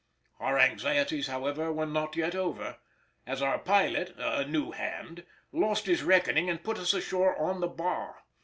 Our anxieties, however, were not yet over, as our pilot (a new hand) lost his reckoning and put us ashore on the bar.